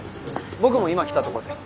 僕も今来たとこです。